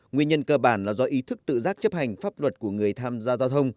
nguyên nhân cơ bản là do ý thức tự giác chấp hành pháp luật của người tham gia giao thông